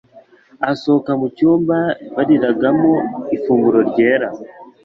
Asohoka mu cyumba bariragamo ifunguro ryera,